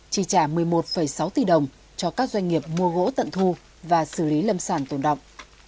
chi trả một mươi một sáu tỷ đồng cho các doanh nghiệp mua gỗ tận thu và xử lý lâm sản tồn động